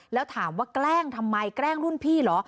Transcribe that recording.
แล้วถามว่าแกล้งทำไมแกล้งรุ่นพี่เหรอ